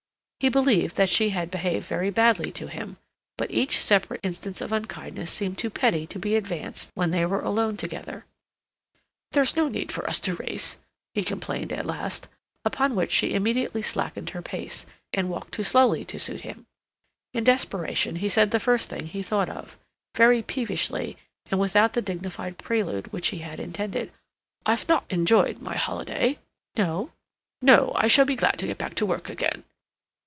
He believed that she had behaved very badly to him, but each separate instance of unkindness seemed too petty to be advanced when they were alone together. "There's no need for us to race," he complained at last; upon which she immediately slackened her pace, and walked too slowly to suit him. In desperation he said the first thing he thought of, very peevishly and without the dignified prelude which he had intended. "I've not enjoyed my holiday." "No?" "No. I shall be glad to get back to work again."